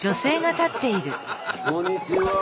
こんにちは。